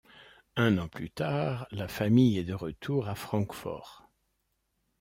Un an plus tard, la famille est de retour à Francfort.